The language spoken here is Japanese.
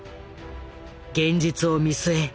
現実を見据え